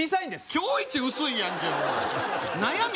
今日イチ薄いやんけお前悩み